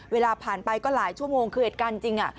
เวลาผ่านไปก็หลายชั่วโมงคือเหตุการณ์จริง